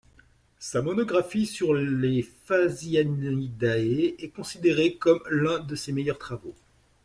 Sa monographie sur les Phasianidae est considérée comme l'un de ses meilleurs travaux.